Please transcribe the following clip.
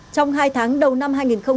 trong hai tháng đầu năm hai nghìn hai mươi